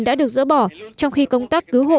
đã được dỡ bỏ trong khi công tác cứu hộ